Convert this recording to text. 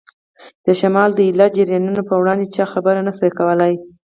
د شمال د ایله جاریانو په وړاندې چا خبرې نه شوای کولای.